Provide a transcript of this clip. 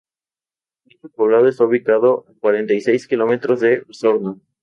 Dicho poblado está ubicado a cuarenta y seis kilómetros de Osorno.